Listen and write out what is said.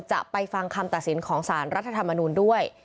จะไปฟังคำตัดสินของสารรัฐธรรมนูลด้วย